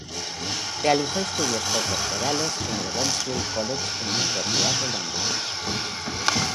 Realizó estudios posdoctorales en el Westfield College en la Universidad de Londres.